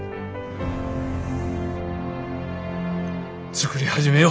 作り始めよ。